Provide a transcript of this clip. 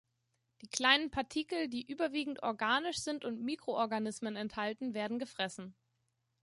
Die kleinen Partikel, die überwiegend organisch sind und Mikroorganismen enthalten, werden gefressen.